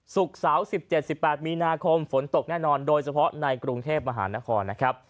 ศุกร์เสาร์๑๗๑๘มีนาคมฝนตกแน่นอนโดยเฉพาะในกรุงเทพมหานครนะครับ